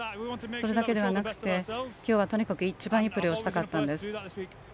それだけではなくて今日はとにかく一番いいプレーをしたかったんです。